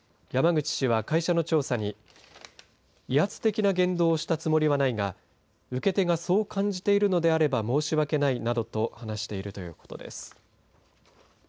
山口氏は会社の調査に威圧的な言動をしたつもりはないが受け手がそう感じているのであれば申し訳ないなどと話しているということです。